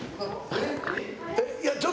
えっ？